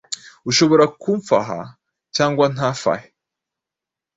Ushobora kumfaha cyangwa ntamfahe